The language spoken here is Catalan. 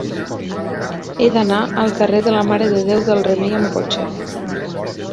He d'anar al carrer de la Mare de Déu del Remei amb cotxe.